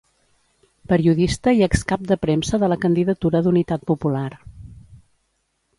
Periodista i excap de premsa de la Candidatura d'Unitat Popular.